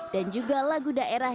dan juga lagu daerah